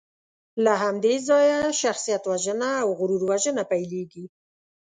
له همدې ځایه شخصیتوژنه او غرور وژنه پیلېږي.